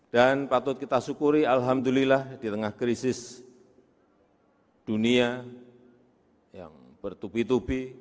dan patut kita syukuri alhamdulillah di tengah krisis dunia yang bertubi tubi